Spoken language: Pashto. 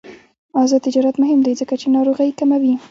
آزاد تجارت مهم دی ځکه چې ناروغۍ کموي.